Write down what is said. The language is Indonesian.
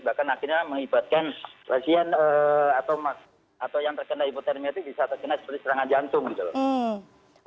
bahkan akhirnya mengibatkan atau yang terkena hipotermiatik bisa terkena seperti serangan jantung gitu loh